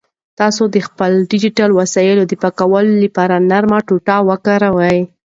تاسو د خپلو ډیجیټل وسایلو د پاکوالي لپاره نرمه ټوټه وکاروئ.